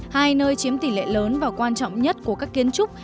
hai nơi chiếm tỷ lệ lớn và quan trọng nhất của các kiến trúc